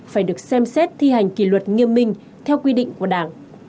phải được xem xét thi hành kỷ luật nghiêm minh theo quy định của đảng